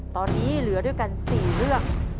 ตอนนี้เหลือด้วยกัน๔เรื่อง